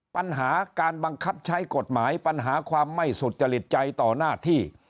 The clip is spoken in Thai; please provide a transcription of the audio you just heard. ปัญหาการบังคับใช้กฎหมายปัญหาความไม่สุจริตใจต่อหน้าที่